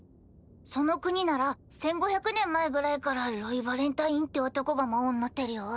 その国なら１５００年前ぐらいからロイ・ヴァレンタインって男が魔王になってるよ。